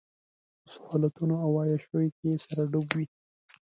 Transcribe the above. په سهولتونو او عياشيو کې يې سر ډوب وي.